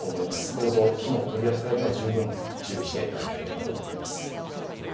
どうぞ火の取り扱いには十分注意していただければと思います。